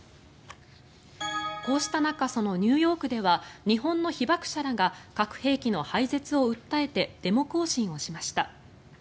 こうした中そのニューヨークでは日本の被爆者らが核兵器の廃絶を訴えてデモ行進をしました。